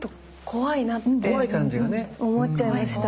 怖い感じがね。思っちゃいました。